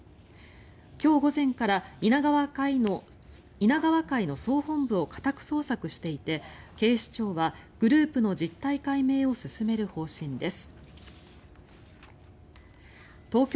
今日午前から稲川会の総本部を家宅捜索していて警視庁はグループの実態解明を進める方針です。